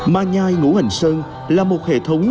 ma nhai ngũ hành sơn là một hệ thống